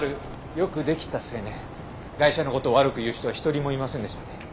ガイシャの事を悪く言う人は一人もいませんでしたね。